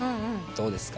「どうですか？」